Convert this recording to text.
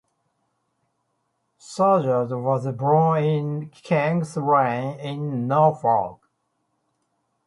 Saggers was born in King's Lynn in Norfolk.